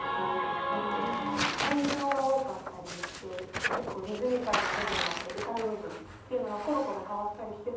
転調が多かったりして結構リズミカルな部分だったり歌う部分っていうのがコロコロ変わったりして。